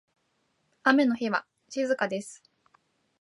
雨の日は静かです。